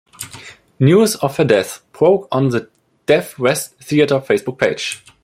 News of her death broke on the Deaf West Theater Facebook page.